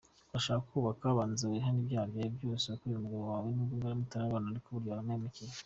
Urashaka kubaka!? Banza wihane ibyaha byose wakoreye umugabo wawe nubwo mwarimutarabana, ariko burya waramuhemukiye.